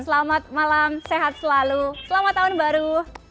selamat malam sehat selalu selamat tahun baru